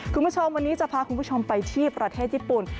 คุณผู้ชมวันนี้จะพาคุณผู้ชมไปที่ประเทศญี่ปุ่น